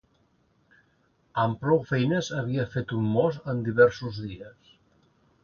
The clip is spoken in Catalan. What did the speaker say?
Amb prou feines havia fet un mos en diversos dies.